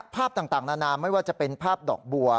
ภาพต่างนานาไม่ว่าจะเป็นภาพดอกบัว